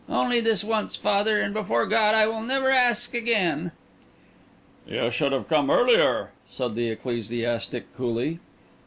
Only this once, father, and before God I will never ask again!" "You should have come earlier," said the ecclesiastic coolly.